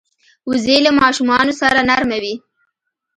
وزې له ماشومانو سره نرمه وي